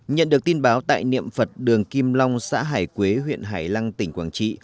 nhận được tin báo tại niệm phật đường kim long xã hải quế huyện hải lăng tỉnh quảng trị